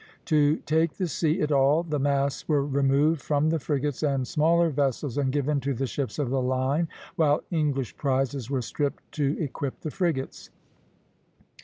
To take the sea at all, the masts were removed from the frigates and smaller vessels, and given to the ships of the line while English prizes were stripped to equip the frigates.